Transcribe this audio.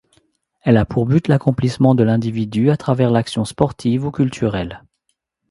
Elle a pour but l'accomplissement de l'individu à travers l'action sportive ou culturelle.